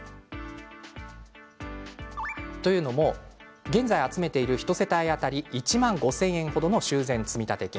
というのも現在、集めている１世帯当たり１万５０００円程の修繕積立金。